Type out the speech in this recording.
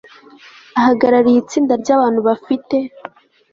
Ahagarariye itsinda ryabantu bafite